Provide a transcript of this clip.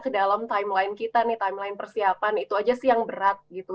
ke dalam timeline kita nih timeline persiapan itu aja sih yang berat gitu